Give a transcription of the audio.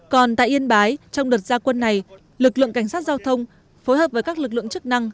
còn tại yên bái trong đợt gia quân này lực lượng cảnh sát giao thông phối hợp với các lực lượng chức năng